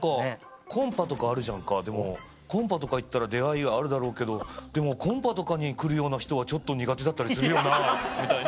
「コンパとかあるじゃんかでもコンパとか行ったら出会いあるだろうけどでもコンパとかに来るような人はちょっと苦手だったりするよな」みたいな。